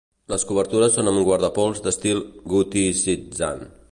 Les cobertures són amb guardapols d'estil goticitzant.